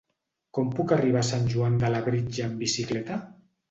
Com puc arribar a Sant Joan de Labritja amb bicicleta?